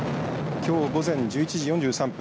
きょう午前１１時４３分